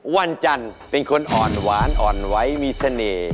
วันจันทร์เป็นคนอ่อนหวานอ่อนไหวมีเสน่ห์